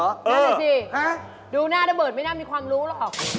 นั่นแหละสิดูหน้าระเบิดไม่น่ามีความรู้หรอก